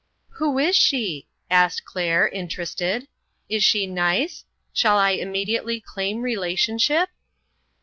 "Who is she?" asked Claire, interested. AN OPEN DOOR. 15 1 "Is she nice? Shall I immediately claim re lationship?